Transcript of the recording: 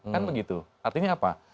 kan begitu artinya apa